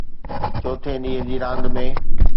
چوٿين ڏينهن جي راند ۾